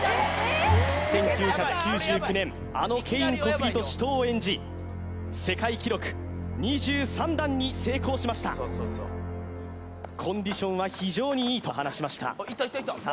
１９９９年あのケイン・コスギと死闘を演じ世界記録２３段に成功しましたコンディションは非常にいいと話しましたさあ